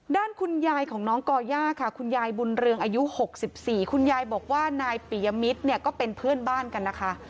ด้านคุณยายของน้องก่อย่าค่ะคุณยายบุญเรืองอายุ๖๔คุณยายบอกว่านายปียมิตรเนี่ยก็เป็นเพื่อนบ้านกันนะคะ